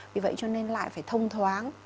vì vậy cho nên lại phải thông thoáng